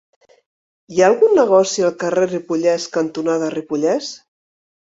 Hi ha algun negoci al carrer Ripollès cantonada Ripollès?